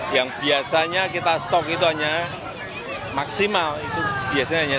yang biasanya kita stok itu hanya maksimal itu biasanya hanya satu